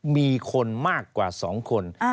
มีคนมากกว่า๒คน